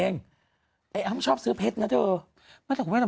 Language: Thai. นี่นี่นี่นี่นี่นี่